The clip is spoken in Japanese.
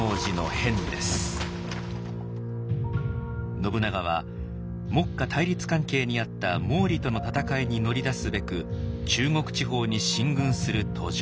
信長は目下対立関係にあった毛利との戦いに乗り出すべく中国地方に進軍する途上。